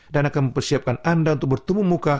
dan akan mempersiapkan anda untuk bertemu muka